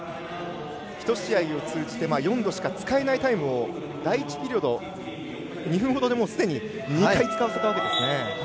１試合通じて４度しか使えないタイムを第１ピリオド、２分ほどですでに２回使わせたわけです。